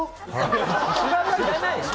知らないでしょ。